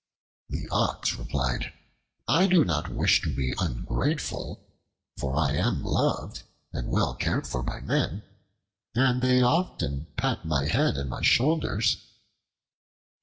The Ox replied: "I do not wish to be ungrateful, for I am loved and well cared for by men, and they often pat my head and shoulders."